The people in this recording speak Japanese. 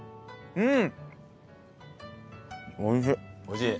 うん。